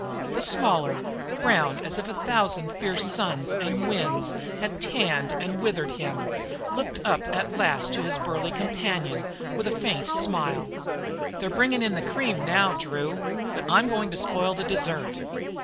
The smaller, brown as if a thousand fierce suns and winds had tanned and withered him, looked up at last to his burly companion with a faint smile. "They're bringing on the cream now, Drew, but I'm going to spoil the dessert."